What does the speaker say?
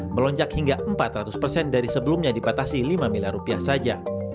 melonjak hingga empat ratus persen dari sebelumnya dipatasi lima miliar rupiah saja